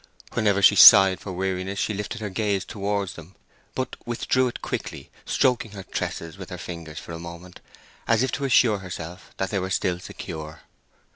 Whenever she sighed for weariness she lifted her gaze towards them, but withdrew it quickly, stroking her tresses with her fingers for a moment, as if to assure herself that they were still secure.